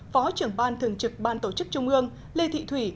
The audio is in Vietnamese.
phó trưởng ban thường trực ban tổ chức trung ương lê thị thủy